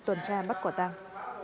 tuần tra bắt quả tang